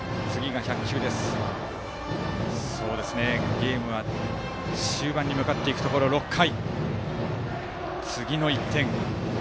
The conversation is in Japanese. ゲームは終盤に向かっていくところ、６回。